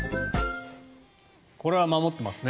これは守ってますね。